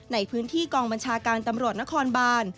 ในพื้นที่กองบัญชาการตำรวจนครบาน